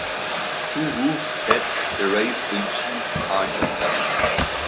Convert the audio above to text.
Two Wolves heads erased in Chief Argent.